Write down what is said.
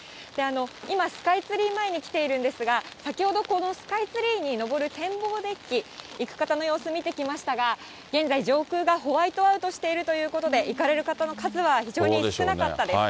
今、スカイツリー前に来ているんですが、先ほどこのスカイツリーに上る展望デッキ、行く方の様子見てきましたが、現在、上空がホワイトアウトしているということで、行かれる方の数は、非常に少なかったです。